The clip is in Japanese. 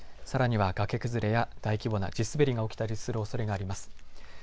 さらには崖崩れや大規模な地すべりが起きたりするおそれがあります。